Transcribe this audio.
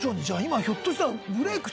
じゃあ今ひょっとしたら。